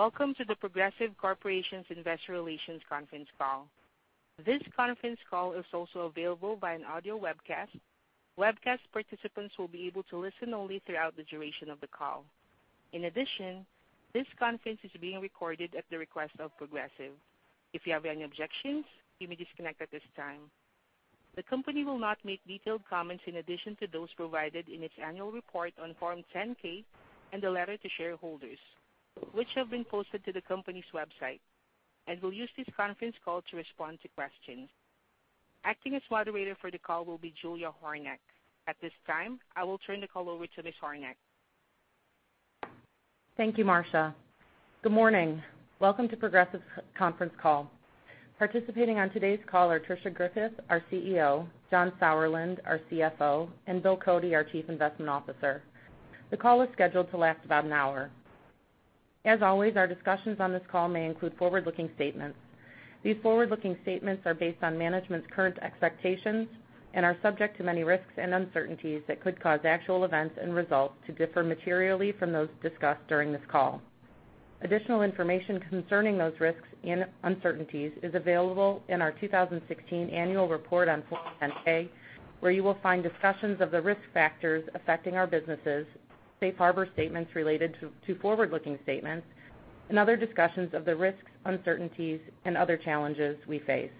Welcome to The Progressive Corporation's investor relations conference call. This conference call is also available by an audio webcast. Webcast participants will be able to listen only throughout the duration of the call. In addition, this conference is being recorded at the request of Progressive. If you have any objections, you may disconnect at this time. The company will not make detailed comments in addition to those provided in its annual report on Form 10-K and the letter to shareholders, which have been posted to the company's website, and will use this conference call to respond to questions. Acting as moderator for the call will be Julia Hornack. At this time, I will turn the call over to Ms. Hornack. Thank you, Marsha. Good morning. Welcome to Progressive's conference call. Participating on today's call are Tricia Griffith, our CEO, John Sauerland, our CFO, and Bill Cody, our Chief Investment Officer. The call is scheduled to last about an hour. As always, our discussions on this call may include forward-looking statements. These forward-looking statements are based on management's current expectations and are subject to many risks and uncertainties that could cause actual events and results to differ materially from those discussed during this call. Additional information concerning those risks and uncertainties is available in our 2016 annual report on Form 10-K, where you will find discussions of the risk factors affecting our businesses, safe harbor statements related to forward-looking statements, and other discussions of the risks, uncertainties, and other challenges we face.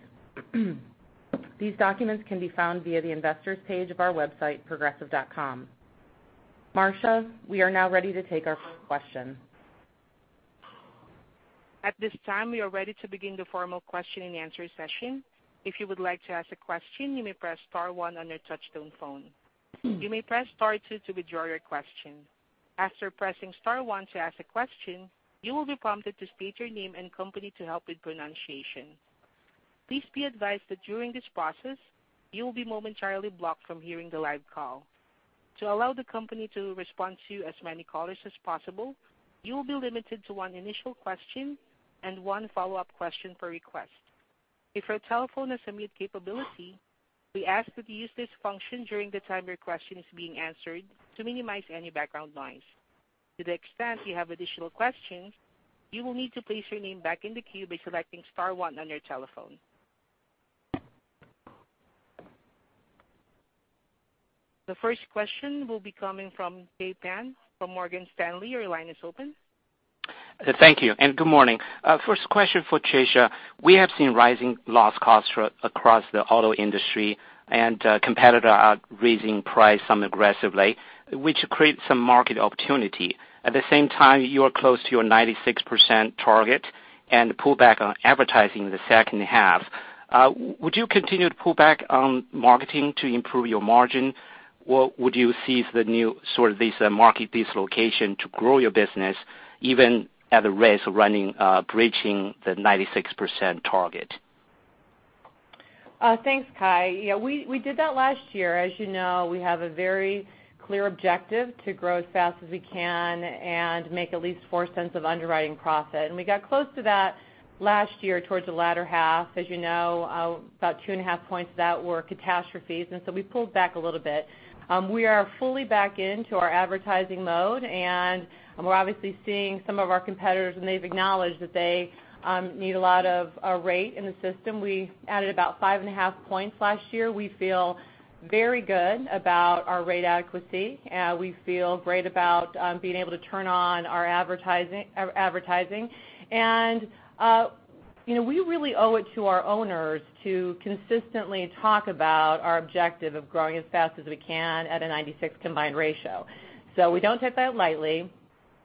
These documents can be found via the investors page of our website, progressive.com. Marsha, we are now ready to take our first question. At this time, we are ready to begin the formal question and answer session. If you would like to ask a question, you may press star one on your touchtone phone. You may press star two to withdraw your question. After pressing star one to ask a question, you will be prompted to state your name and company to help with pronunciation. Please be advised that during this process, you will be momentarily blocked from hearing the live call. To allow the company to respond to as many callers as possible, you will be limited to one initial question and one follow-up question per request. If your telephone has a mute capability, we ask that you use this function during the time your question is being answered to minimize any background noise. To the extent you have additional questions, you will need to place your name back in the queue by selecting star one on your telephone. The first question will be coming from Kai Pan from Morgan Stanley. Your line is open. Thank you, and good morning. First question for Tricia. We have seen rising loss costs across the auto industry. Competitors are raising price, some aggressively, which creates some market opportunity. At the same time, you are close to your 96% target and pull back on advertising in the second half. Would you continue to pull back on marketing to improve your margin, or would you seize the new sort of these market dislocation to grow your business even at the risk of breaching the 96% target? Thanks, Kai. Yeah, we did that last year. As you know, we have a very clear objective to grow as fast as we can and make at least $0.04 of underwriting profit. We got close to that last year towards the latter half. As you know, about 2.5 points that were catastrophes. We pulled back a little bit. We are fully back in to our advertising mode. We're obviously seeing some of our competitors. They've acknowledged that they need a lot of rate in the system. We added about 5.5 points last year. We feel very good about our rate adequacy. We feel great about being able to turn on our advertising. We really owe it to our owners to consistently talk about our objective of growing as fast as we can at a 96% combined ratio. We don't take that lightly.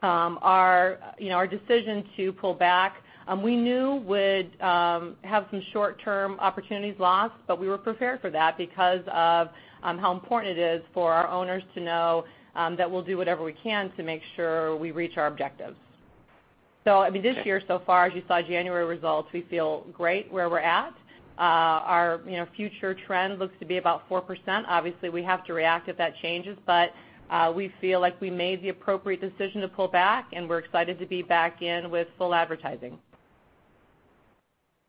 Our decision to pull back we knew would have some short-term opportunities lost. We were prepared for that because of how important it is for our owners to know that we'll do whatever we can to make sure we reach our objectives. This year so far, as you saw January results, we feel great where we're at. Our future trend looks to be about 4%. Obviously, we have to react if that changes. We feel like we made the appropriate decision to pull back, and we're excited to be back in with full advertising.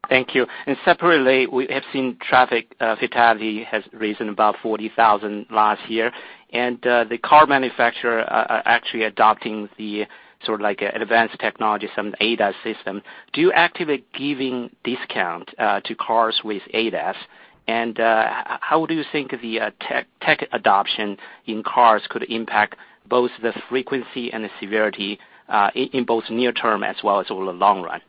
Thank you. Separately, we have seen traffic fatality has risen about 40,000 last year. The car manufacturer are actually adopting the sort of like advanced technology, some ADAS system. Do you activate giving discount to cars with ADAS? How do you think the tech adoption in cars could impact both the frequency and the severity in both near term as well as over the long run?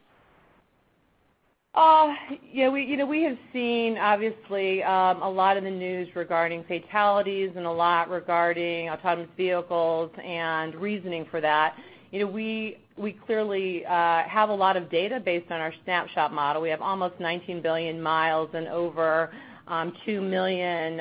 We have seen, obviously, a lot in the news regarding fatalities and a lot regarding autonomous vehicles and reasoning for that. We clearly have a lot of data based on our Snapshot model. We have almost 19 billion miles and over 2 million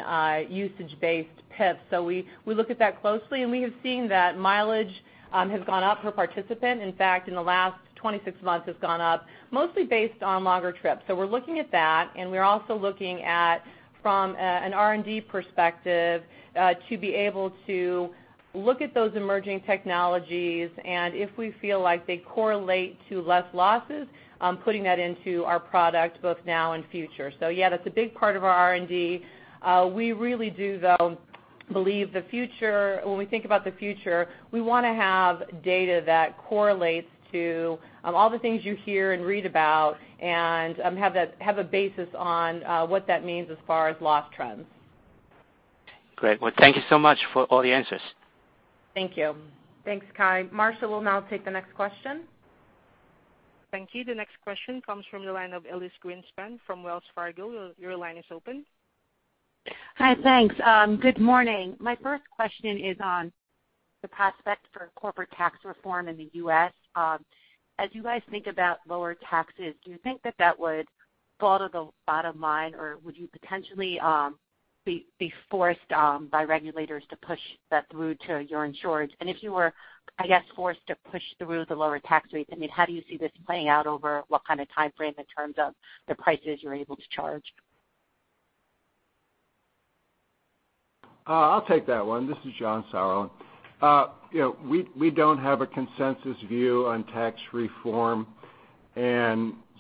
usage-based PIFs. We look at that closely. We have seen that mileage has gone up per participant. In fact, in the last 26 months has gone up mostly based on longer trips. We're looking at that. We're also looking at from an R&D perspective to be able to look at those emerging technologies. If we feel like they correlate to less losses, putting that into our product both now and future. Yeah, that's a big part of our R&D. We really do, though We believe the future. When we think about the future, we want to have data that correlates to all the things you hear and read about, and have a basis on what that means as far as loss trends. Great. Well, thank you so much for all the answers. Thank you. Thanks, Kai. Marsha will now take the next question. Thank you. The next question comes from the line of Elyse Greenspan from Wells Fargo. Your line is open. Hi, thanks. Good morning. My first question is on the prospect for corporate tax reform in the U.S. As you guys think about lower taxes, do you think that that would fall to the bottom line, or would you potentially be forced by regulators to push that through to your insureds? If you were, I guess, forced to push through the lower tax rates, how do you see this playing out over what kind of timeframe in terms of the prices you're able to charge? I'll take that one. This is John Sauerland. We don't have a consensus view on tax reform,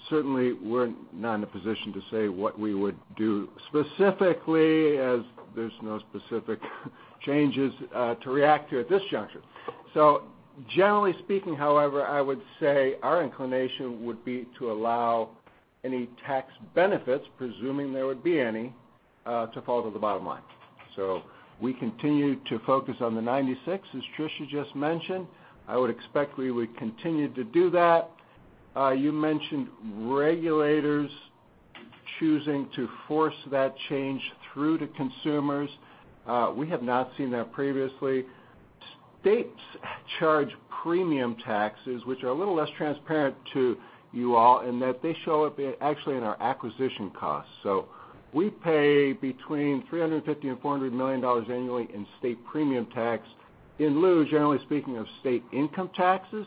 certainly we're not in a position to say what we would do specifically as there's no specific changes to react to at this juncture. Generally speaking, however, I would say our inclination would be to allow any tax benefits, presuming there would be any, to fall to the bottom line. We continue to focus on the 96, as Tricia just mentioned. I would expect we would continue to do that. You mentioned regulators choosing to force that change through to consumers. We have not seen that previously. States charge premium taxes, which are a little less transparent to you all in that they show up actually in our acquisition costs. We pay between $350 million and $400 million annually in state premium tax in lieu, generally speaking, of state income taxes.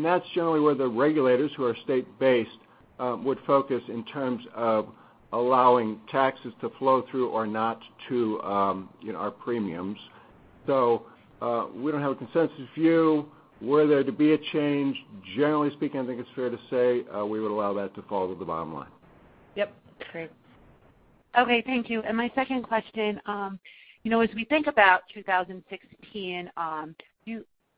That's generally where the regulators who are state-based would focus in terms of allowing taxes to flow through or not to our premiums. We don't have a consensus view. Were there to be a change, generally speaking, I think it's fair to say we would allow that to fall to the bottom line. Yep. Great. Okay, thank you. My second question, as we think about 2016,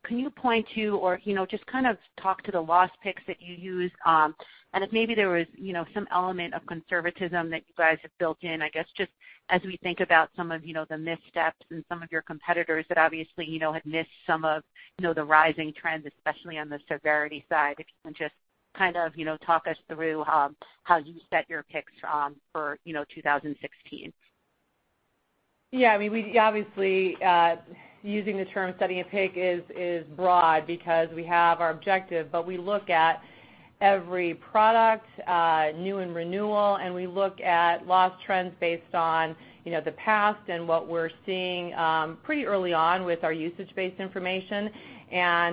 can you point to or just kind of talk to the loss picks that you used, and if maybe there was some element of conservatism that you guys have built in, I guess, just as we think about some of the missteps and some of your competitors that obviously have missed some of the rising trends, especially on the severity side, if you can just kind of talk us through how you set your picks for 2016. Yeah. Obviously, using the term setting a pick is broad because we have our objective, we look at every product, new and renewal, we look at loss trends based on the past and what we're seeing pretty early on with our usage-based information.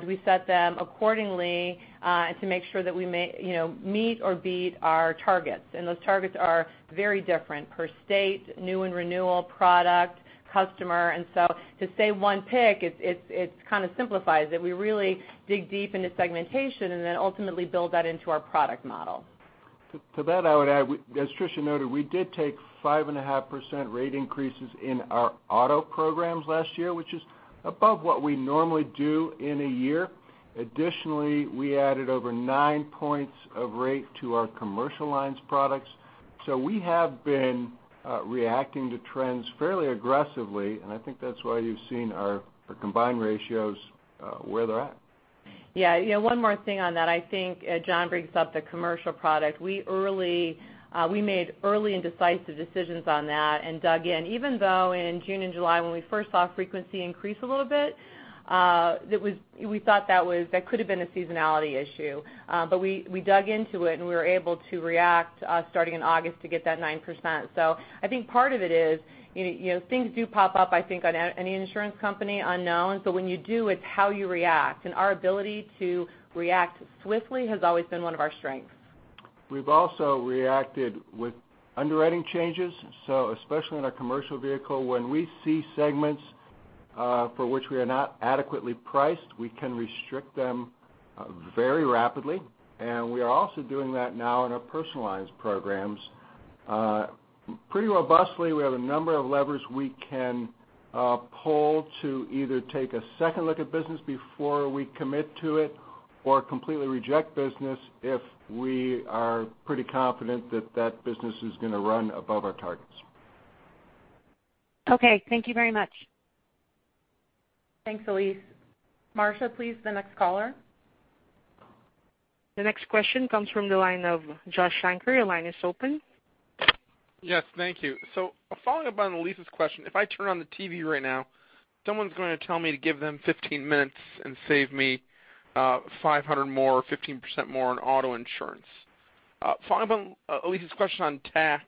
We set them accordingly to make sure that we meet or beat our targets, those targets are very different per state, new and renewal product, customer. To say one pick, it kind of simplifies it. We really dig deep into segmentation and then ultimately build that into our product model. To that, I would add, as Tricia noted, we did take 5.5% rate increases in our auto programs last year, which is above what we normally do in a year. Additionally, we added over nine points of rate to our commercial lines products. We have been reacting to trends fairly aggressively, and I think that's why you've seen our combined ratios where they're at. Yeah. One more thing on that. I think John brings up the commercial product. We made early and decisive decisions on that and dug in, even though in June and July when we first saw frequency increase a little bit, we thought that could have been a seasonality issue. We dug into it, and we were able to react starting in August to get that 9%. I think part of it is, things do pop up, I think, on any insurance company unknown. When you do, it's how you react, and our ability to react swiftly has always been one of our strengths. We've also reacted with underwriting changes. Especially in our commercial vehicle, when we see segments for which we are not adequately priced, we can restrict them very rapidly, and we are also doing that now in our personal lines programs. Pretty robustly, we have a number of levers we can pull to either take a second look at business before we commit to it or completely reject business if we are pretty confident that that business is going to run above our targets. Okay. Thank you very much. Thanks, Elyse. Marsha, please, the next caller. The next question comes from the line of Josh Shanker. Your line is open. Yes. Thank you. Following up on Elyse's question, if I turn on the TV right now, someone's going to tell me to give them 15 minutes and save me $500 more or 15% more on auto insurance. Following up on Elyse's question on tax,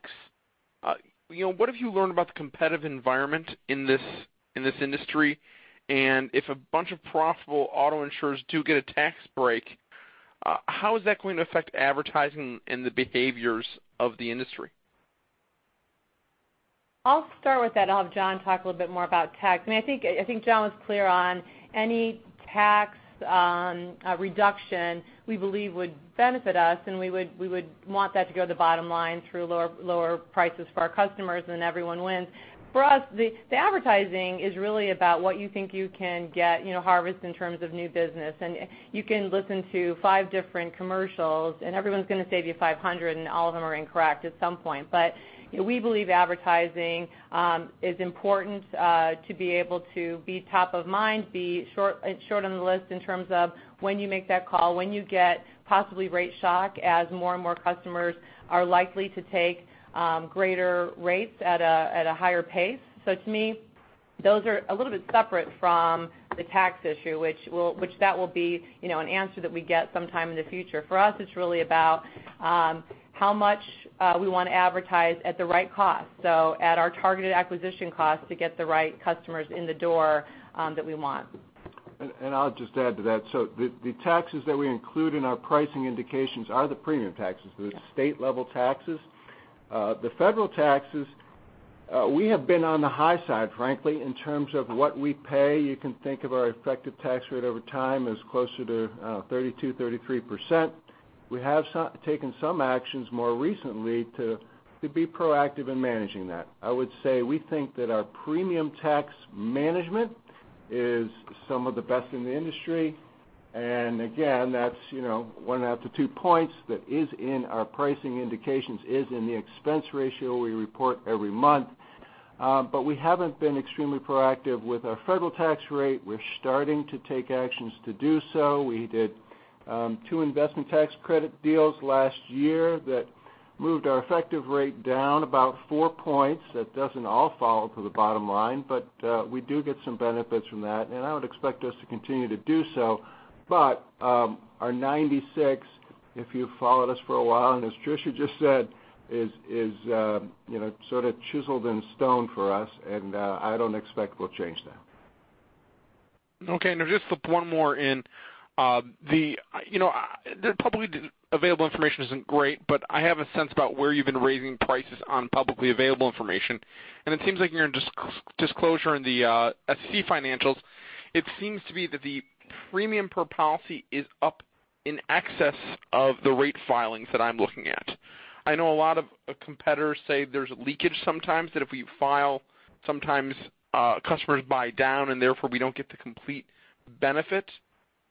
what have you learned about the competitive environment in this industry? If a bunch of profitable auto insurers do get a tax break, how is that going to affect advertising and the behaviors of the industry? I'll start with that. I'll have John talk a little bit more about tax. I think John was clear on any tax reduction we believe would benefit us, we would want that to go to the bottom line through lower prices for our customers, everyone wins. For us, the advertising is really about what you think you can get, harvest in terms of new business. You can listen to five different commercials, and everyone's going to save you $500, all of them are incorrect at some point. We believe advertising is important to be able to be top of mind, be short on the list in terms of when you make that call, when you get possibly rate shock, as more and more customers are likely to take greater rates at a higher pace. To me, those are a little bit separate from the tax issue, which that will be an answer that we get sometime in the future. For us, it's really about how much we want to advertise at the right cost. At our targeted acquisition cost to get the right customers in the door that we want. I'll just add to that. The taxes that we include in our pricing indications are the premium taxes- Yeah the state level taxes. The federal taxes, we have been on the high side, frankly, in terms of what we pay. You can think of our effective tax rate over time as closer to 32%-33%. We have taken some actions more recently to be proactive in managing that. I would say we think that our premium tax management is some of the best in the industry. Again, that's 1 out to 2 points that is in our pricing indications, is in the expense ratio we report every month. We haven't been extremely proactive with our federal tax rate. We're starting to take actions to do so. We did 2 investment tax credit deals last year that moved our effective rate down about 4 points. That doesn't all fall to the bottom line, but we do get some benefits from that, and I would expect us to continue to do so. Our 96, if you followed us for a while, and as Tricia just said, is sort of chiseled in stone for us, and I don't expect we'll change that. Okay. Just one more in the publicly available information isn't great, but I have a sense about where you've been raising prices on publicly available information, and it seems like in your disclosure in the statutory financials, it seems to be that the premium per policy is up in excess of the rate filings that I'm looking at. I know a lot of competitors say there's leakage sometimes, that if we file, sometimes customers buy down, and therefore we don't get the complete benefit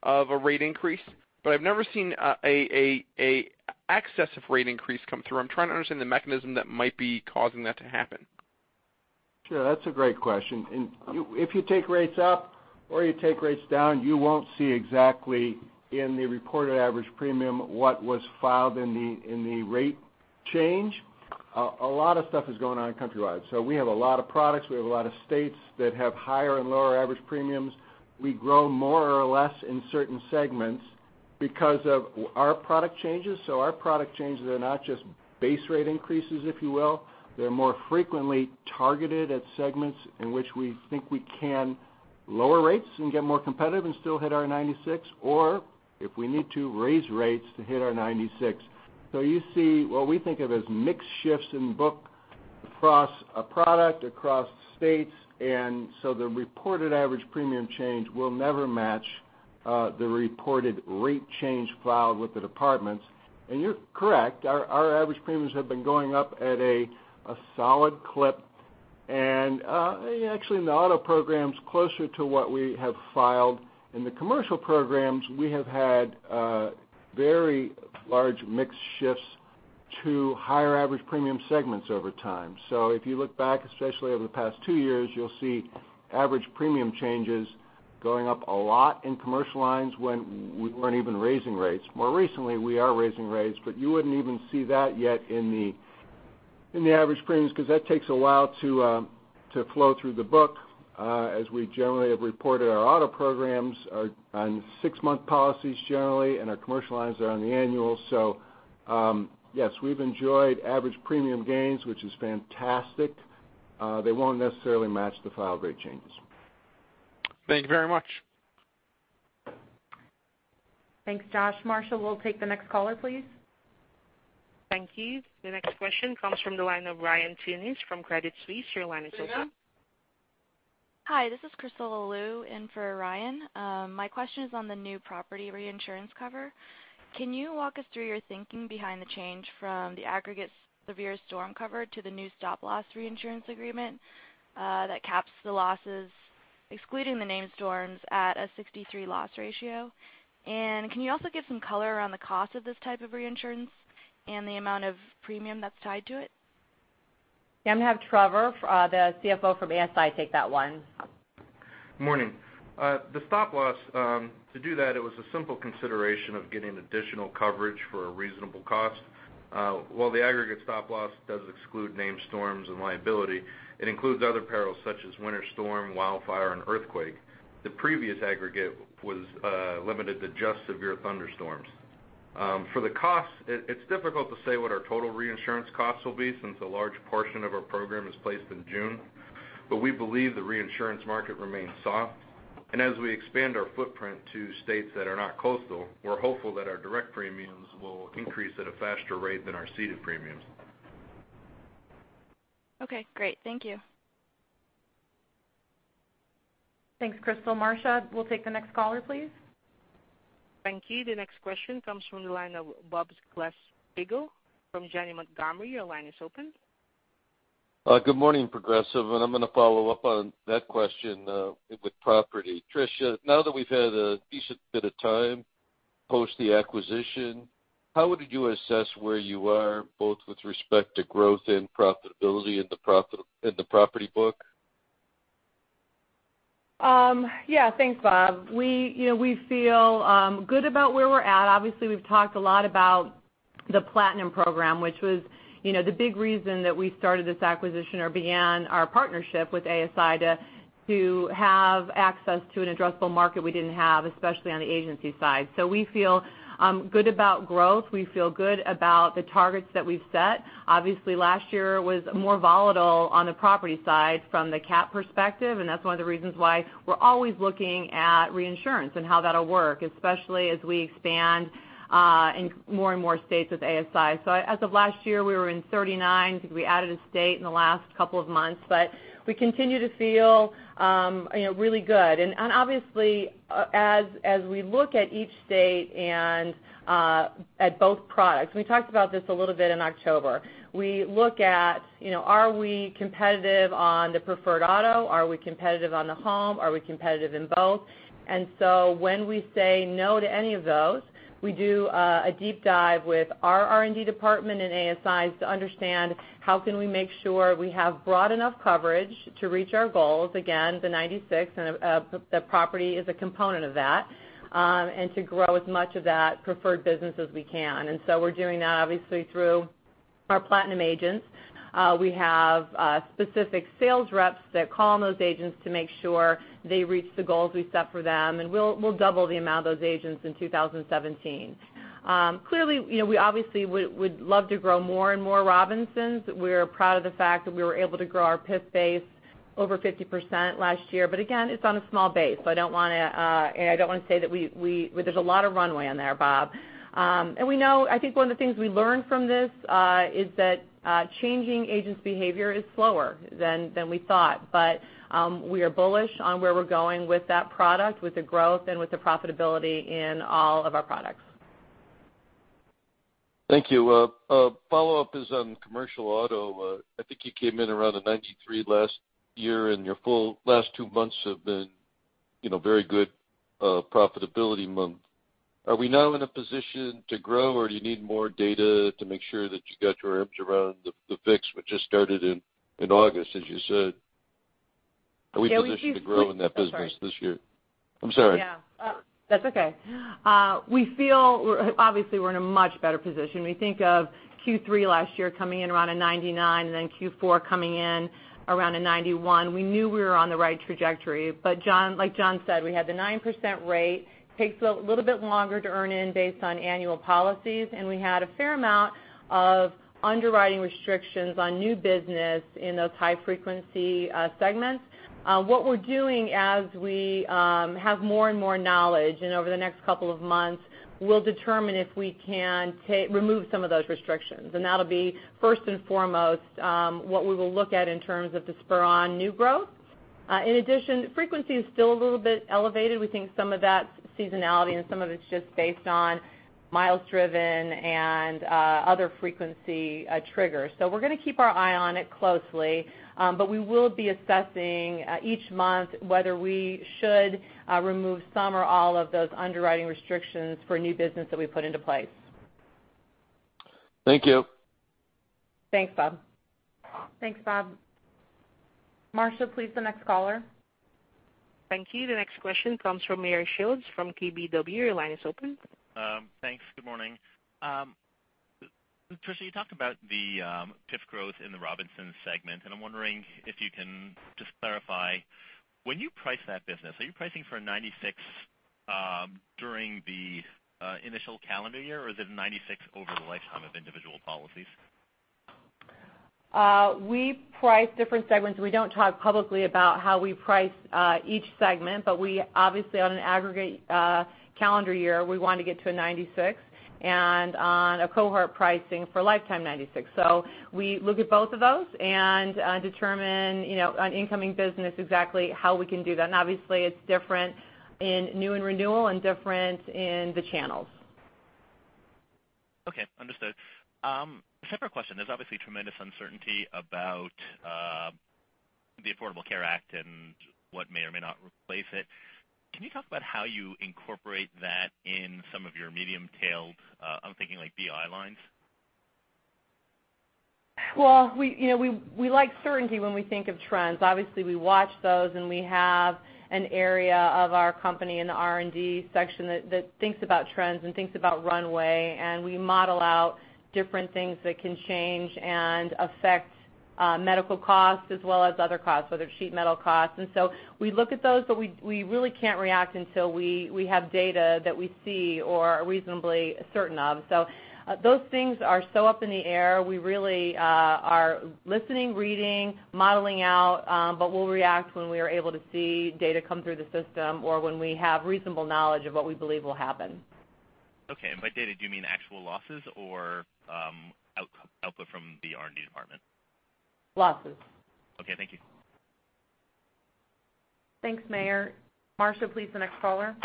of a rate increase. I've never seen an excessive rate increase come through. I'm trying to understand the mechanism that might be causing that to happen. Sure. That's a great question. If you take rates up or you take rates down, you won't see exactly in the reported average premium what was filed in the rate change. A lot of stuff is going on in Countrywide. We have a lot of products. We have a lot of states that have higher and lower average premiums. We grow more or less in certain segments because of our product changes. Our product changes are not just base rate increases, if you will. They're more frequently targeted at segments in which we think we can lower rates and get more competitive and still hit our 96, or if we need to, raise rates to hit our 96. You see what we think of as mix shifts in book across a product, across states. The reported average premium change will never match the reported rate change filed with the departments. You're correct, our average premiums have been going up at a solid clip. Actually, in the auto programs, closer to what we have filed. In the commercial programs, we have had very large mix shifts to higher average premium segments over time. If you look back, especially over the past two years, you'll see average premium changes going up a lot in commercial lines when we weren't even raising rates. More recently, we are raising rates, but you wouldn't even see that yet in the average premiums because that takes a while to flow through the book, as we generally have reported our auto programs on six-month policies generally, and our commercial lines are on the annual. Yes, we've enjoyed average premium gains, which is fantastic. They won't necessarily match the filed rate changes. Thank you very much. Thanks, Josh. Marsha, we'll take the next caller, please. Thank you. The next question comes from the line of Ryan Tunis from Credit Suisse, your line is open. Hi, this is Crystal Lu in for Ryan. My question is on the new property reinsurance cover. Can you walk us through your thinking behind the change from the aggregate severe storm cover to the new stop loss reinsurance agreement that caps the losses, excluding the named storms, at a 63 loss ratio? Can you also give some color on the cost of this type of reinsurance and the amount of premium that's tied to it? Yeah, I'm going to have Trevor, the CFO from ASI take that one. Morning. The stop loss, to do that, it was a simple consideration of getting additional coverage for a reasonable cost. While the aggregate stop loss does exclude named storms and liability, it includes other perils such as winter storm, wildfire, and earthquake. The previous aggregate was limited to just severe thunderstorms. For the cost, it's difficult to say what our total reinsurance cost will be since a large portion of our program is placed in June. We believe the reinsurance market remains soft. As we expand our footprint to states that are not coastal, we're hopeful that our direct premiums will increase at a faster rate than our ceded premiums. Okay, great. Thank you. Thanks, Crystal. Marsha, we'll take the next caller, please. Thank you. The next question comes from the line of Bob Glasspiegel from Janney Montgomery, your line is open. Good morning, Progressive. I'm going to follow up on that question with property. Tricia, now that we've had a decent bit of time post the acquisition, how would you assess where you are both with respect to growth and profitability in the property book? Yeah. Thanks, Bob. We feel good about where we're at. Obviously, we've talked a lot about the Platinum program, which was the big reason that we started this acquisition or began our partnership with ASI to have access to an addressable market we didn't have, especially on the agency side. We feel good about growth. We feel good about the targets that we've set. Obviously, last year was more volatile on the property side from the CAT perspective, and that's one of the reasons why we're always looking at reinsurance and how that'll work, especially as we expand in more and more states with ASI. As of last year, we were in 39. I think we added a state in the last couple of months. We continue to feel really good. Obviously, as we look at each state and at both products, we talked about this a little bit in October. We look at, are we competitive on the preferred auto? Are we competitive on the home? Are we competitive in both? When we say no to any of those, we do a deep dive with our R&D department and ASI's to understand how can we make sure we have broad enough coverage to reach our goals, again, the 96%, and the property is a component of that, and to grow as much of that preferred business as we can. We're doing that obviously through our Platinum agents. We have specific sales reps that call on those agents to make sure they reach the goals we set for them, and we'll double the amount of those agents in 2017. Clearly, we obviously would love to grow more and more Robinsons. We're proud of the fact that we were able to grow our PIF base over 50% last year. But again, it's on a small base. I don't want to say that we there's a lot of runway on there, Bob. I think one of the things we learned from this, is that changing agents' behavior is slower than we thought. But we are bullish on where we're going with that product, with the growth, and with the profitability in all of our products. Thank you. A follow-up is on commercial auto. I think you came in around a 93 last year, and your last two months have been very good profitability months. Are we now in a position to grow, or do you need more data to make sure that you got your arms around the fix, which just started in August, as you said? Are we positioned to grow in that business this year? I'm sorry. That's okay. Obviously, we're in a much better position. We think of Q3 last year coming in around a 99, and then Q4 coming in around a 91. We knew we were on the right trajectory, but like John said, we had the 9% rate, takes a little bit longer to earn in based on annual policies, and we had a fair amount of underwriting restrictions on new business in those high-frequency segments. What we're doing as we have more and more knowledge, and over the next couple of months, we'll determine if we can remove some of those restrictions. That'll be first and foremost, what we will look at in terms of to spur on new growth. In addition, frequency is still a little bit elevated. We think some of that's seasonality and some of it's just based on miles driven and other frequency triggers. We're going to keep our eye on it closely, but we will be assessing each month whether we should remove some or all of those underwriting restrictions for new business that we put into place. Thank you. Thanks, Bob. Thanks, Bob. Marsha, please, the next caller. Thank you. The next question comes from Meyer Shields from KBW. Your line is open. Thanks. Good morning. Tricia, you talked about the PIF growth in the Robinsons segment, and I'm wondering if you can just clarify, when you price that business, are you pricing for a 96 during the initial calendar year, or is it a 96 over the lifetime of individual policies? We price different segments. We don't talk publicly about how we price each segment, but we obviously on an aggregate calendar year, we want to get to a 96, and on a cohort pricing for lifetime 96. We look at both of those and determine on incoming business exactly how we can do that. Obviously, it's different in new and renewal and different in the channels. Okay. Understood. Separate question. There's obviously tremendous uncertainty about the Affordable Care Act and what may or may not replace it. Can you talk about how you incorporate that in some of your medium tailed, I'm thinking like BI lines? Well, we like certainty when we think of trends. Obviously, we watch those, and we have an area of our company in the R&D section that thinks about trends and thinks about runway, and we model out different things that can change and affect medical costs as well as other costs, whether it's sheet metal costs. We look at those, but we really can't react until we have data that we see or are reasonably certain of. Those things are so up in the air. We really are listening, reading, modeling out, but we'll react when we are able to see data come through the system or when we have reasonable knowledge of what we believe will happen. Okay. By data, do you mean actual losses or output from the R&D department? Losses. Okay. Thank you. Thanks, Meyer. Marsha, please, the next caller.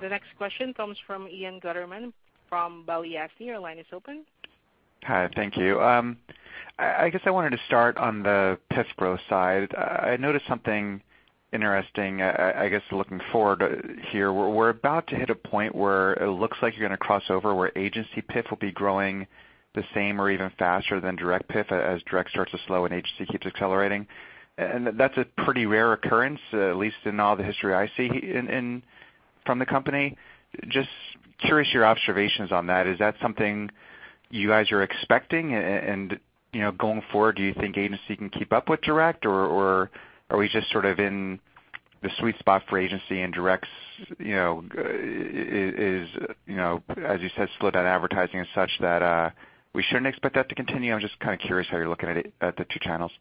The next question comes from Ian Gutterman from Balyasny. Your line is open. Hi, thank you. I guess I wanted to start on the PIF growth side. I noticed something interesting, I guess, looking forward here. We're about to hit a point where it looks like you're going to cross over where agency PIF will be growing the same or even faster than direct PIF as direct starts to slow and agency keeps accelerating. That's a pretty rare occurrence, at least in all the history I see from the company. Just curious your observations on that. Is that something you guys are expecting? Going forward, do you think agency can keep up with direct, or are we just sort of in the sweet spot for agency and direct is, as you said, slowed down advertising and such that we shouldn't expect that to continue? I'm just kind of curious how you're looking at the two channels.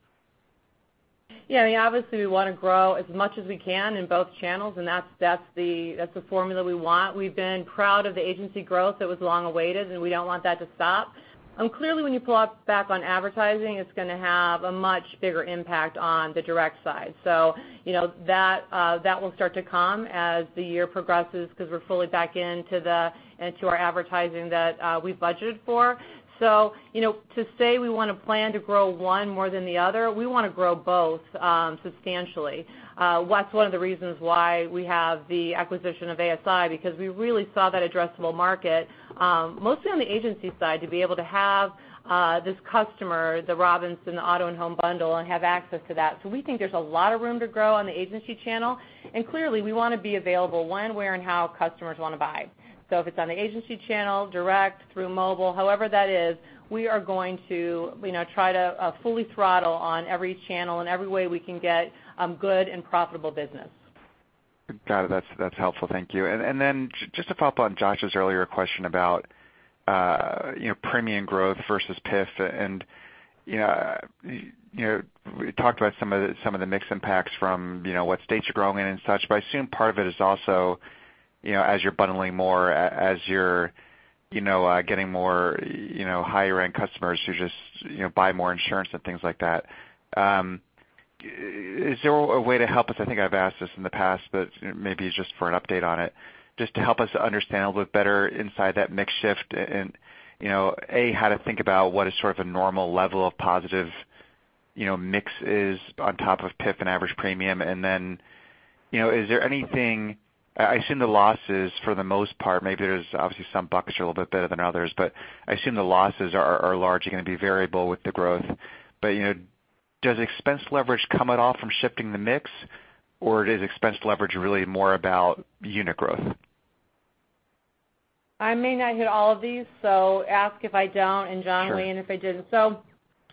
Yeah. Obviously, we want to grow as much as we can in both channels, and that's the formula we want. We've been proud of the agency growth that was long awaited, and we don't want that to stop. Clearly, when you pull back on advertising, it's going to have a much bigger impact on the direct side. That will start to come as the year progresses because we're fully back into our advertising that we budgeted for. To say we want to plan to grow one more than the other, we want to grow both substantially. That's one of the reasons why we have the acquisition of ASI, because we really saw that addressable market, mostly on the agency side, to be able to have this customer, the Robinsons auto and home bundle, and have access to that. We think there's a lot of room to grow on the agency channel. Clearly, we want to be available when, where, and how customers want to buy. If it's on the agency channel, direct, through mobile, however that is, we are going to try to fully throttle on every channel and every way we can get good and profitable business. Got it. That's helpful. Thank you. Just to follow up on Josh Shanker's earlier question about premium growth versus PIF. We talked about some of the mix impacts from what states you're growing in and such, but I assume part of it is also as you're bundling more, as you're getting more higher-end customers who just buy more insurance and things like that. Is there a way to help us, I think I've asked this in the past, but maybe it's just for an update on it, just to help us understand a little bit better inside that mix shift and, A, how to think about what is sort of a normal level of positive mixes on top of PIF and average premium. I assume the losses for the most part, maybe there's obviously some buckets are a little bit better than others, but I assume the losses are largely going to be variable with the growth. Does expense leverage come at all from shifting the mix, or is expense leverage really more about unit growth? I may not hit all of these, ask if I don't, and John lean if I didn't. Sure.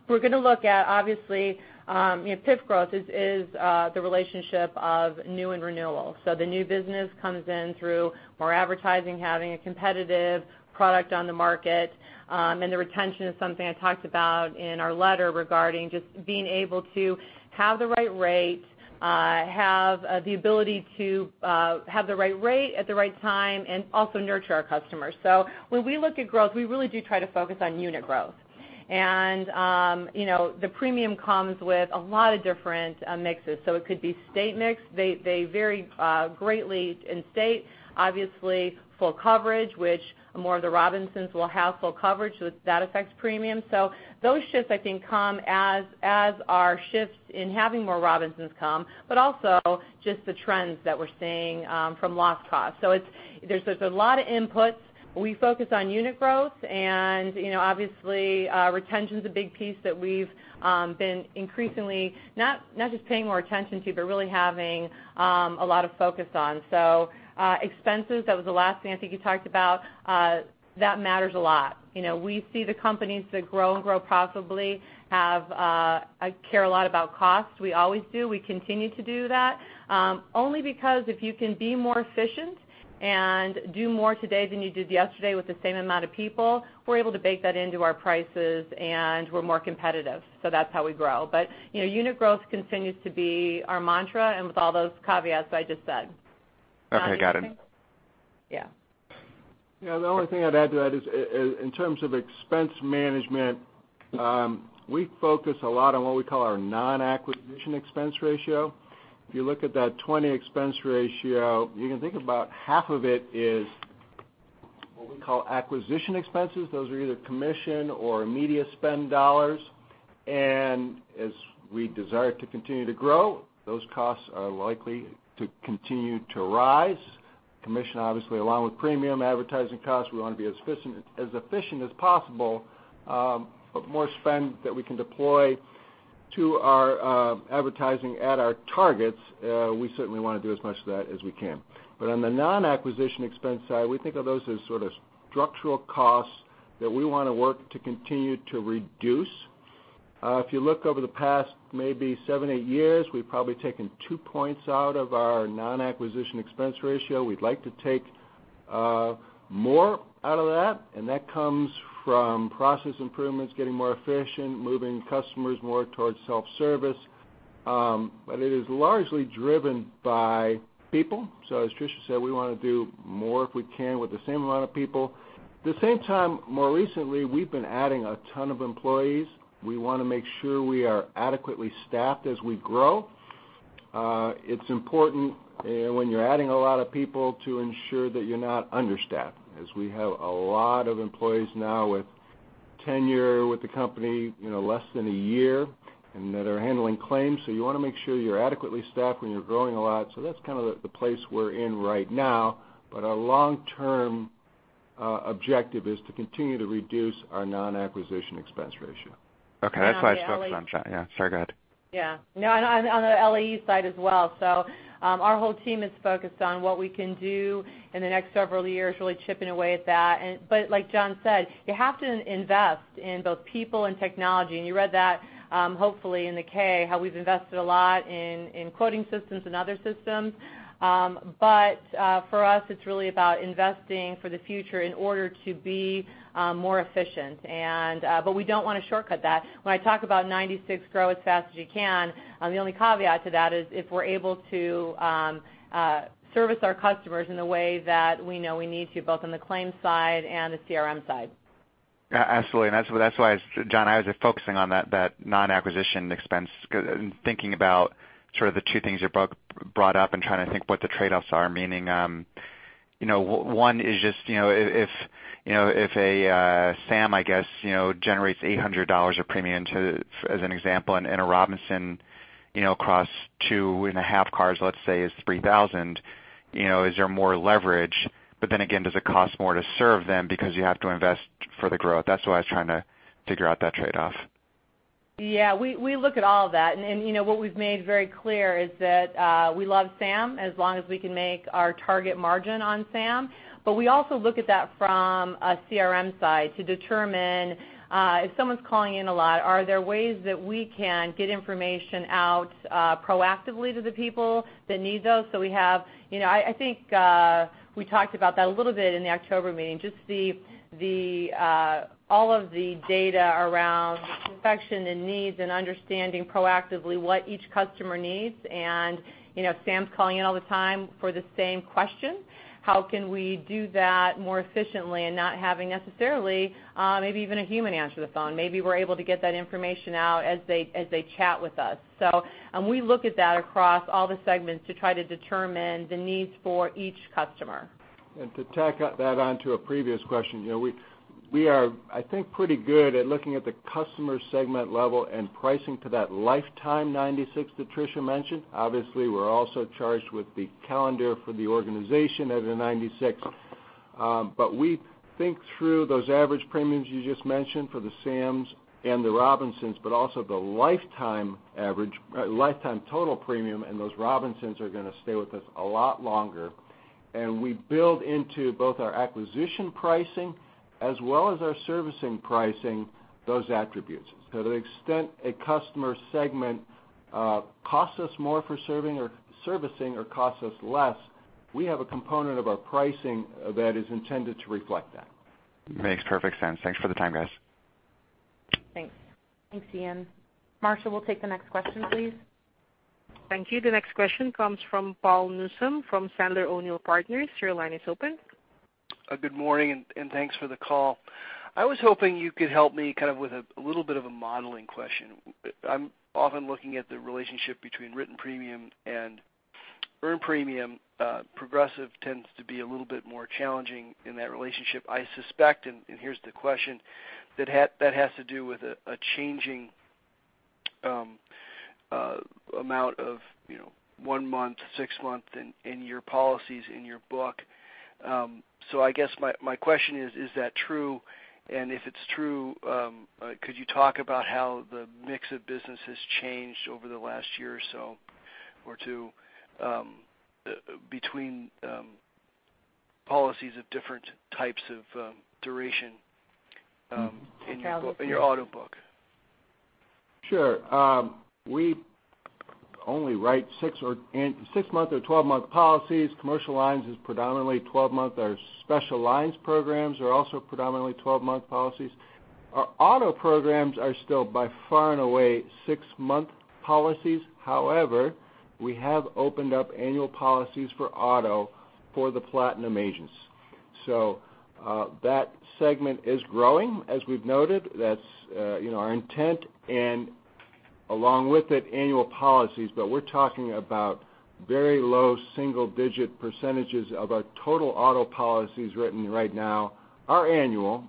We're going to look at, obviously, PIF growth is the relationship of new and renewal. The new business comes in through more advertising, having a competitive product on the market. The retention is something I talked about in our letter regarding just being able to have the right rate, have the ability to have the right rate at the right time, and also nurture our customers. When we look at growth, we really do try to focus on unit growth. The premium comes with a lot of different mixes. It could be state mix. They vary greatly in state, obviously full coverage, which more of the Robinsons will have full coverage, that affects premium. Those shifts, I think, come as our shifts in having more Robinsons come, but also just the trends that we're seeing from loss cost. There's a lot of inputs. We focus on unit growth, and obviously, retention's a big piece that we've been increasingly not just paying more attention to, but really having a lot of focus on. Expenses, that was the last thing I think you talked about, that matters a lot. We see the companies that grow and grow profitably care a lot about cost. We always do. We continue to do that. Only because if you can be more efficient and do more today than you did yesterday with the same amount of people, we're able to bake that into our prices, and we're more competitive. That's how we grow. Unit growth continues to be our mantra and with all those caveats that I just said. Okay, got it. Yeah. The only thing I'd add to that is in terms of expense management, we focus a lot on what we call our non-acquisition expense ratio. If you look at that 20 expense ratio, you can think about half of it is what we call acquisition expenses. Those are either commission or media spend dollars. As we desire to continue to grow, those costs are likely to continue to rise. Commission, obviously, along with premium advertising costs, we want to be as efficient as possible. More spend that we can deploy To our advertising at our targets, we certainly want to do as much of that as we can. On the non-acquisition expense side, we think of those as structural costs that we want to work to continue to reduce. If you look over the past maybe seven, eight years, we've probably taken two points out of our non-acquisition expense ratio. We'd like to take more out of that, and that comes from process improvements, getting more efficient, moving customers more towards self-service. It is largely driven by people. As Tricia said, we want to do more if we can with the same amount of people. At the same time, more recently, we've been adding a ton of employees. We want to make sure we are adequately staffed as we grow. It's important when you're adding a lot of people to ensure that you're not understaffed, as we have a lot of employees now with tenure with the company less than a year and that are handling claims. You want to make sure you're adequately staffed when you're growing a lot. That's kind of the place we're in right now, but our long-term objective is to continue to reduce our non-acquisition expense ratio. Okay. That's why I focused. Yeah, sorry, go ahead. Yeah. On the LAE side as well. Our whole team is focused on what we can do in the next several years, really chipping away at that. Like John said, you have to invest in both people and technology, and you read that hopefully in the K, how we've invested a lot in quoting systems and other systems. For us, it's really about investing for the future in order to be more efficient. We don't want to shortcut that. When I talk about 96% grow as fast as you can, the only caveat to that is if we're able to service our customers in the way that we know we need to, both on the claims side and the CRM side. Yeah, absolutely. That's why, John, I was just focusing on that non-acquisition expense, thinking about the two things you brought up and trying to think what the trade-offs are, meaning one is just if a Sam, I guess, generates $800 of premium as an example, and a Robinson across two and a half cars, let's say, is $3,000. Is there more leverage? Again, does it cost more to serve them because you have to invest for the growth? That's why I was trying to figure out that trade-off. Yeah, we look at all of that. What we've made very clear is that we love Sam, as long as we can make our target margin on Sam. We also look at that from a CRM side to determine if someone's calling in a lot, are there ways that we can get information out proactively to the people that need those? I think we talked about that a little bit in the October meeting, just all of the data around complexion and needs and understanding proactively what each customer needs. If Sam's calling in all the time for the same question, how can we do that more efficiently and not having necessarily maybe even a human answer the phone. Maybe we're able to get that information out as they chat with us. We look at that across all the segments to try to determine the needs for each customer. To tack that onto a previous question, we are, I think, pretty good at looking at the customer segment level and pricing to that lifetime 96 that Tricia mentioned. Obviously, we're also charged with the calendar for the organization as a 96. We think through those average premiums you just mentioned for the Sams and the Robinsons, but also the lifetime average, lifetime total premium, and those Robinsons are going to stay with us a lot longer. We build into both our acquisition pricing as well as our servicing pricing those attributes. To the extent a customer segment costs us more for servicing or costs us less, we have a component of our pricing that is intended to reflect that. Makes perfect sense. Thanks for the time, guys. Thanks. Thanks, Ian. Marsha, we'll take the next question, please. Thank you. The next question comes from Paul Newsome from Sandler O'Neill + Partners. Your line is open. Good morning. Thanks for the call. I was hoping you could help me with a little bit of a modeling question. I'm often looking at the relationship between written premium and earned premium. Progressive tends to be a little bit more challenging in that relationship. I suspect, and here's the question, that has to do with a changing amount of one month, six month in your policies, in your book. I guess my question is that true? If it's true, could you talk about how the mix of business has changed over the last year or so, or two between policies of different types of duration in your auto book? Sure. We only write six month or 12-month policies. Commercial lines is predominantly 12-month. Our special lines programs are also predominantly 12-month policies. Our auto programs are still by far and away six-month policies. However, we have opened up annual policies for auto for the Platinum agents. That segment is growing, as we've noted. That's our intent and along with it, annual policies, we're talking about very low single digit percentages of our total auto policies written right now are annual.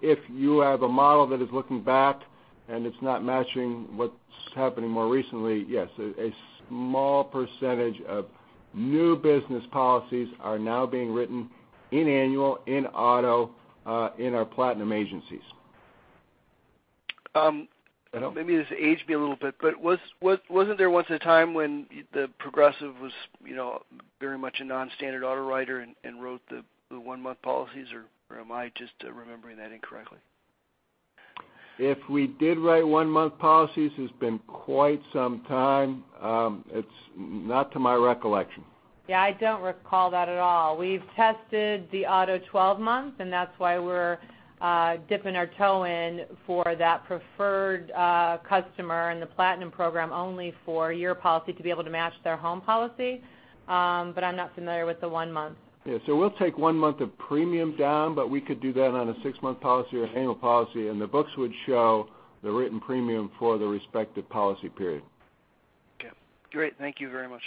If you have a model that is looking back and it's not matching what's happening more recently, yes, a small percentage of new business policies are now being written in annual, in auto, in our Platinum agencies. Maybe this aged me a little bit, wasn't there once a time when Progressive was very much a non-standard auto writer and wrote the one-month policies, or am I just remembering that incorrectly? If we did write one-month policies, it's been quite some time. It's not to my recollection. Yeah. I don't recall that at all. We've tested the auto 12-month, and that's why we're dipping our toe in for that preferred customer in the Platinum program only for your policy to be able to match their home policy. I'm not familiar with the one-month. Yeah. We'll take one-month of premium down, but we could do that on a six-month policy or an annual policy, and the books would show the written premium for the respective policy period. Okay, great. Thank you very much.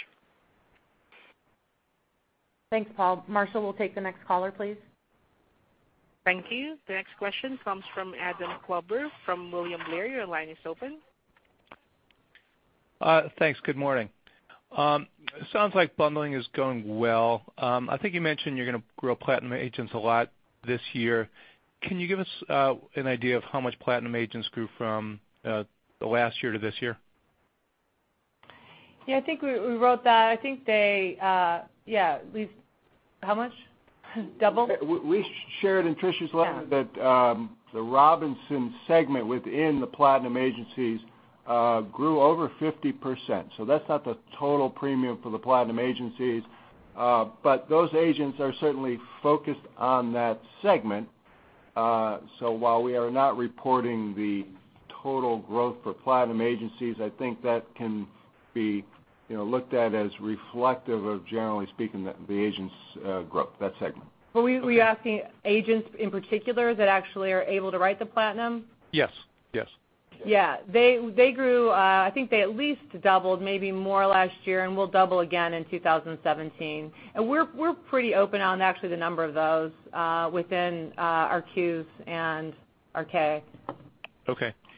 Thanks, Paul. Marsha, we'll take the next caller, please. Thank you. The next question comes from Adam Klauber from William Blair. Your line is open. Thanks. Good morning. Sounds like bundling is going well. I think you mentioned you're going to grow Platinum agents a lot this year. Can you give us an idea of how much Platinum agents grew from the last year to this year? Yeah, I think we wrote that. How much? Double? We shared in Tricia's letter that the Robinsons segment within the Platinum agencies grew over 50%. That's not the total premium for the Platinum agencies. Those agents are certainly focused on that segment. While we are not reporting the total growth for Platinum agencies, I think that can be looked at as reflective of generally speaking, the agents growth, that segment. Were you asking agents in particular that actually are able to write the Platinum? Yes. Yeah. I think they at least doubled, maybe more last year, and will double again in 2017. We're pretty open on actually the number of those within our Qs and our K.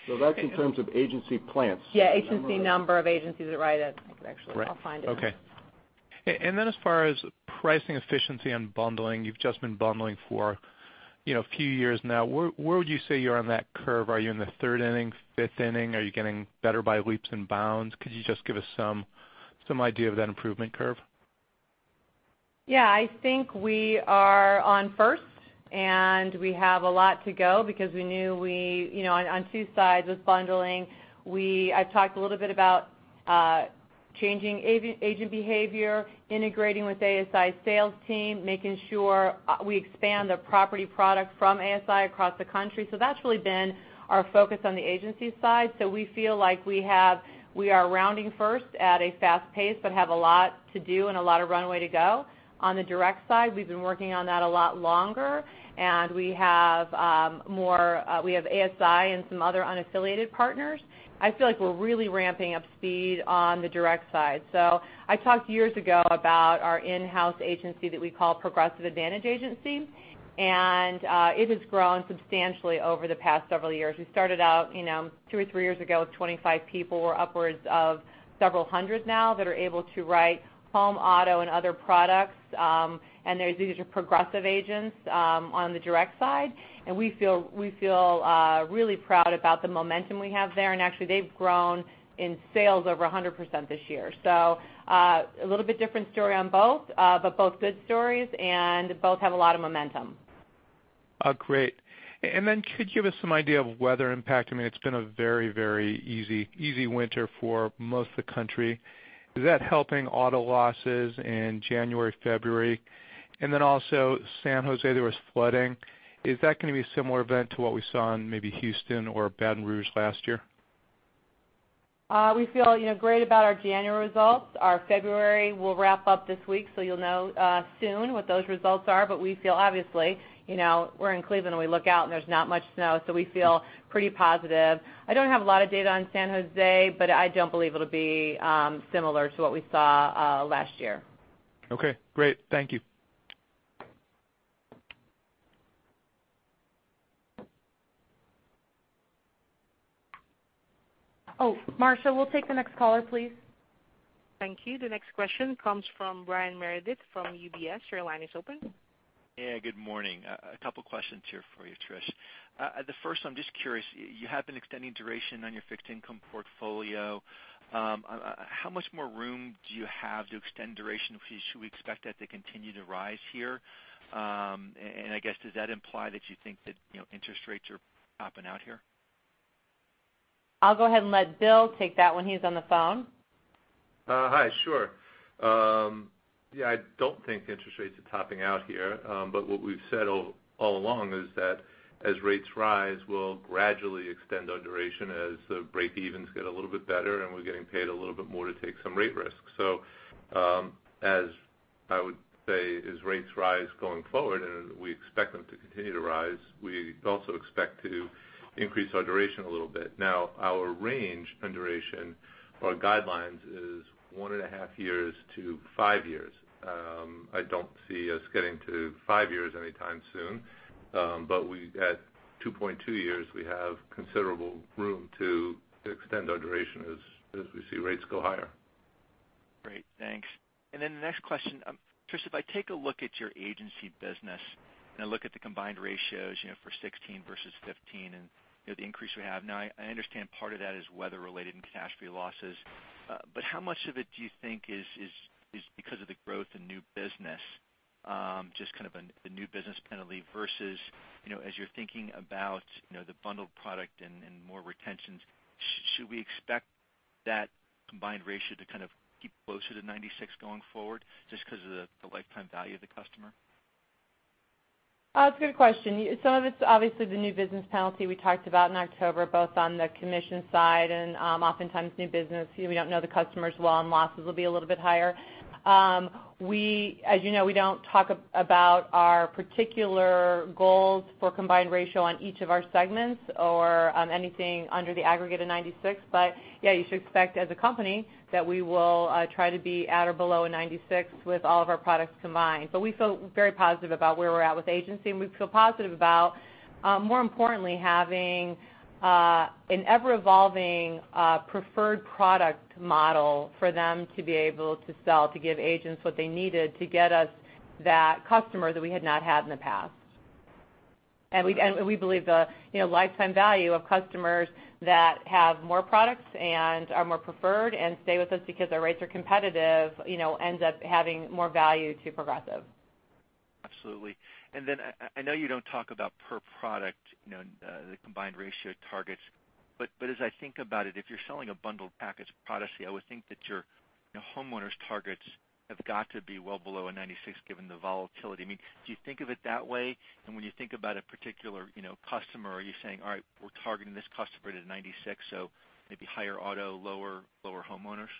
Okay. That's in terms of agency plans. Yeah, agency number of agencies that write it. I think actually I'll find it. Correct. Okay. Then as far as pricing efficiency and bundling, you've just been bundling for a few years now. Where would you say you are on that curve? Are you in the third inning, fifth inning? Are you getting better by leaps and bounds? Could you just give us some idea of that improvement curve? Yeah, I think we are on first, we have a lot to go because we knew we on two sides with bundling, I've talked a little bit about changing agent behavior, integrating with ASI sales team, making sure we expand the property product from ASI across the country. That's really been our focus on the agency side. We feel like we are rounding first at a fast pace, but have a lot to do and a lot of runway to go. On the direct side, we've been working on that a lot longer, we have ASI and some other unaffiliated partners. I feel like we're really ramping up speed on the direct side. I talked years ago about our in-house agency that we call Progressive Advantage Agency, it has grown substantially over the past several years. We started out two or three years ago with 25 people. We're upwards of several hundred now that are able to write home, auto, and other products. These are Progressive agents on the direct side, we feel really proud about the momentum we have there. Actually, they've grown in sales over 100% this year. A little bit different story on both, but both good stories and both have a lot of momentum. Great. Could you give us some idea of weather impact? It's been a very easy winter for most of the country. Is that helping auto losses in January, February? Also San Jose, there was flooding. Is that going to be a similar event to what we saw in maybe Houston or Baton Rouge last year? We feel great about our January results. Our February will wrap up this week, so you'll know soon what those results are. We feel obviously, we're in Cleveland, we look out, and there's not much snow, so we feel pretty positive. I don't have a lot of data on San Jose, but I don't believe it'll be similar to what we saw last year. Okay, great. Thank you. Marsha, we'll take the next caller, please. Thank you. The next question comes from Brian Meredith from UBS. Your line is open. Yeah, good morning. A couple questions here for you, Trish. The first one, I'm just curious, you have been extending duration on your fixed income portfolio. How much more room do you have to extend duration? Should we expect that to continue to rise here? I guess, does that imply that you think that interest rates are topping out here? I'll go ahead and let Bill take that one. He's on the phone. Hi. Sure. Yeah, I don't think interest rates are topping out here. What we've said all along is that as rates rise, we'll gradually extend our duration as the breakevens get a little bit better, and we're getting paid a little bit more to take some rate risk. As I would say, as rates rise going forward, we expect them to continue to rise, we also expect to increase our duration a little bit. Now, our range on duration, our guidelines is one and a half years to five years. I don't see us getting to five years anytime soon. We at 2.2 years, we have considerable room to extend our duration as we see rates go higher. Great. Thanks. The next question, Tricia, if I take a look at your agency business and I look at the combined ratios for 2016 versus 2015 and the increase we have, I understand part of that is weather-related and catastrophe losses. How much of it do you think is because of the growth in new business, just the new business penalty versus as you're thinking about the bundled product and more retentions, should we expect that combined ratio to keep closer to 96 going forward just because of the lifetime value of the customer? It's a good question. Some of it's obviously the new business penalty we talked about in October, both on the commission side and oftentimes new business, we don't know the customers well, and losses will be a little bit higher. As you know, we don't talk about our particular goals for combined ratio on each of our segments or anything under the aggregate of 96. Yeah, you should expect as a company that we will try to be at or below a 96 with all of our products combined. We feel very positive about where we're at with agency, and we feel positive about, more importantly, having an ever-evolving preferred product model for them to be able to sell, to give agents what they needed to get us that customer that we had not had in the past. We believe the lifetime value of customers that have more products and are more preferred and stay with us because our rates are competitive, ends up having more value to Progressive. Absolutely. I know you don't talk about per product, the combined ratio targets, but as I think about it, if you're selling a bundled package of products, I would think that your homeowners targets have got to be well below a 96 given the volatility. Do you think of it that way? When you think about a particular customer, are you saying, all right, we're targeting this customer at a 96, so maybe higher auto, lower homeowners?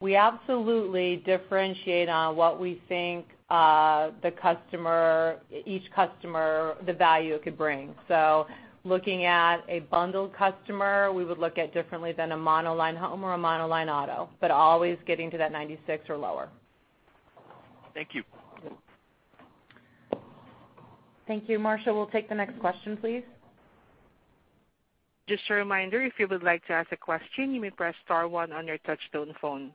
We absolutely differentiate on what we think each customer, the value it could bring. Looking at a bundled customer, we would look at differently than a monoline home or a monoline auto, but always getting to that 96 or lower. Thank you. Thank you. Marsha, we'll take the next question, please. Just a reminder, if you would like to ask a question, you may press star one on your touchtone phone.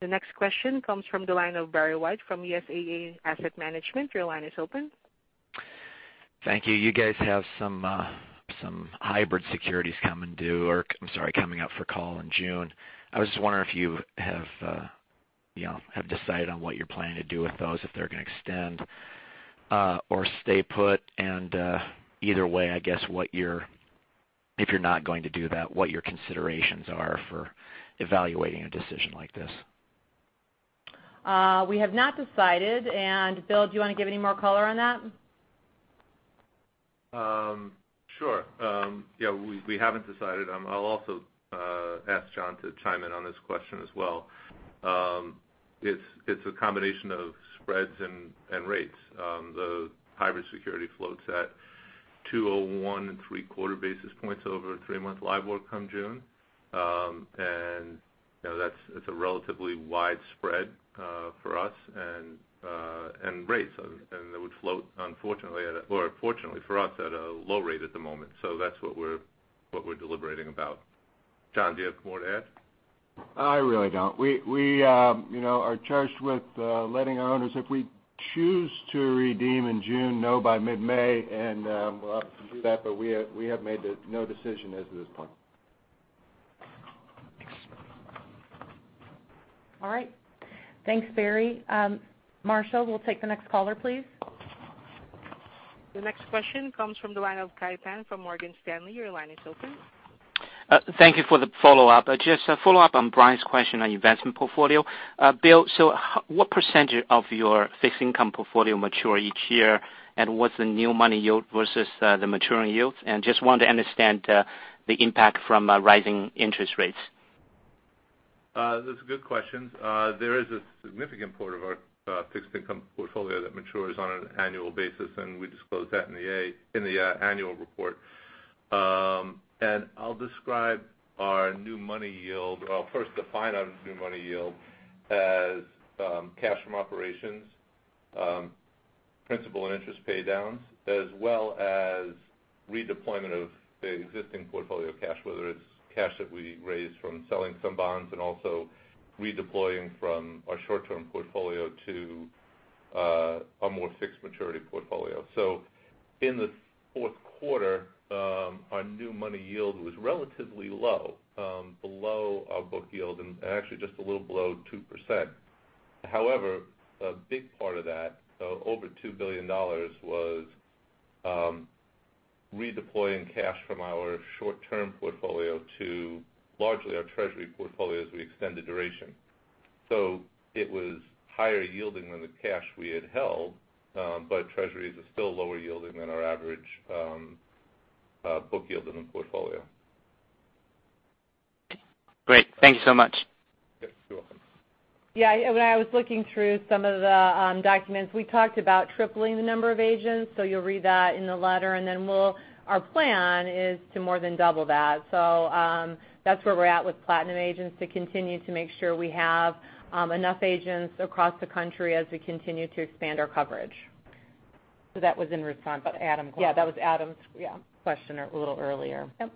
The next question comes from the line of Barry White from USAA Asset Management. Your line is open. Thank you. You guys have some hybrid securities coming due, or I'm sorry, coming up for call in June. I was just wondering if you have decided on what you're planning to do with those, if they're going to extend or stay put, and either way, I guess, if you're not going to do that, what your considerations are for evaluating a decision like this. We have not decided. Bill, do you want to give any more color on that? Sure. Yeah, we haven't decided. I'll also ask John to chime in on this question as well. It's a combination of spreads and rates. The hybrid security floats at 201 and three quarter basis points over three-month LIBOR come June. It's a relatively wide spread for us and rates, and it would float unfortunately or fortunately for us at a low rate at the moment. That's what we're deliberating about. John, do you have more to add? I really don't. We are charged with letting our owners, if we choose to redeem in June, know by mid-May, and we're happy to do that, but we have made no decision as of this point. All right. Thanks, Barry. Marsha, we'll take the next caller, please. The next question comes from the line of Kai Pan from Morgan Stanley. Your line is open. Thank you for the follow-up. Just a follow-up on Brian's question on investment portfolio. Bill, what percentage of your fixed income portfolio mature each year? What's the new money yield versus the maturing yields? Just want to understand the impact from rising interest rates. That's a good question. There is a significant part of our fixed income portfolio that matures on an annual basis. We disclose that in the annual report. I'll describe our new money yield. I'll first define our new money yield as cash from operations, principal, and interest pay downs, as well as redeployment of the existing portfolio cash, whether it's cash that we raised from selling some bonds and also redeploying from our short-term portfolio to a more fixed maturity portfolio. In the fourth quarter, our new money yield was relatively low, below our book yield, and actually just a little below 2%. However, a big part of that, over $2 billion, was redeploying cash from our short-term portfolio to largely our treasury portfolio as we extended duration. It was higher yielding than the cash we had held, but treasuries are still lower yielding than our average book yield in the portfolio. Great. Thank you so much. Yes. You're welcome. Yeah. I was looking through some of the documents. We talked about tripling the number of agents, you'll read that in the letter, and then our plan is to more than double that. That's where we're at with Platinum agents to continue to make sure we have enough agents across the country as we continue to expand our coverage. That was in response to Adam's question. Yeah, that was Adam's question a little earlier. Yep.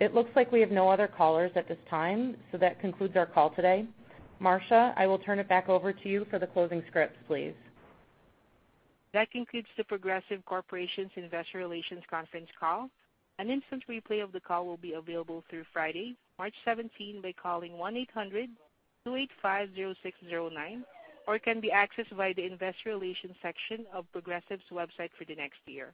It looks like we have no other callers at this time, that concludes our call today. Marsha, I will turn it back over to you for the closing scripts, please. That concludes The Progressive Corporation's Investor Relations Conference Call. An instant replay of the call will be available through Friday, March 17th, by calling 1-800-285-0609, or it can be accessed via the investor relations section of Progressive's website for the next year.